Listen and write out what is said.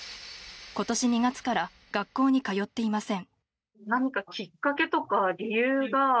今年２月から学校に通っていません。